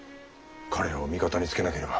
彼らを味方につけなければ。